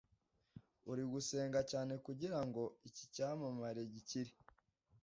uri gusenga cyane kugira ngo iki cyamamare gikire